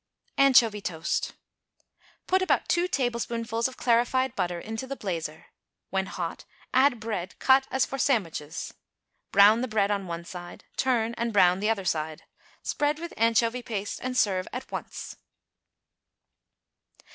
=Anchovy Toast.= Put about two tablespoonfuls of clarified butter into the blazer. When hot add bread cut as for sandwiches. Brown the bread on one side, turn, and brown the other side. Spread with anchovy paste and serve at once.